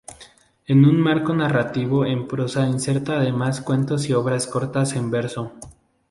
En un marco narrativo en prosa inserta además cuentos y obras cortas en verso.